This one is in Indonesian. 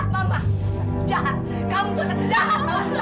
kamu jahat kamu itu jahat mama